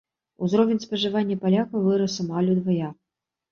Узровень спажывання палякаў вырас амаль удвая.